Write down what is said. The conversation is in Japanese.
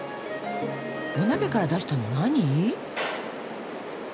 お鍋から出したのは何？